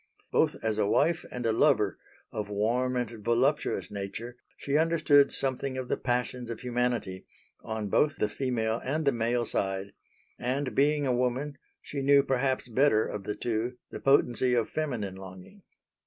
Both as a wife and a lover of warm and voluptuous nature she understood something of the passions of humanity, on both the female and the male side; and being a woman she knew perhaps better of the two the potency of feminine longing.